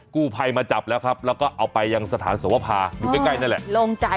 กู้ภัยมาจับแล้วครับแล้วก็เอาไปยังสถานสวภาอยู่ใกล้ใกล้นั่นแหละ